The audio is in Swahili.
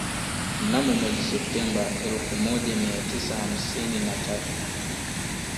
Mnamo mwezi Septemba elfu moja mia tisa hamsini na tatu